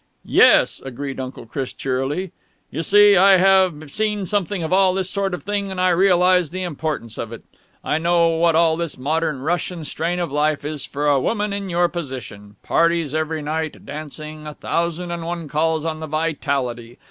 "Yes," agreed Uncle Chris cheerily. "You see, I have seen something of all this sort of thing, and I realize the importance of it. I know what all this modern rush and strain of life is for a woman in your position. Parties every night ... dancing ... a thousand and one calls on the vitality